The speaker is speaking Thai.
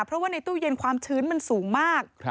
เพราะว่าในตู้เย็นความชื้นมันสูงมาก